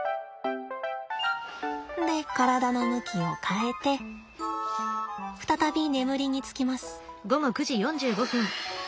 で体の向きを変えて再び眠りにつきます。